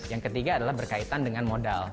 yang ketiga adalah berkaitan dengan modal